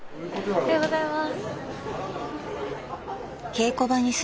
おはようございます。